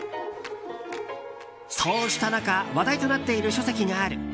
そうした中話題となっている書籍がある。